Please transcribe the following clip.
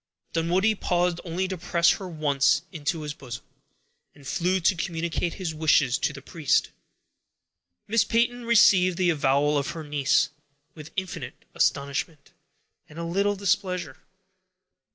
Dunwoodie paused only to press her once to his bosom, and flew to communicate his wishes to the priest. Miss Peyton received the avowal of her niece with infinite astonishment, and a little displeasure.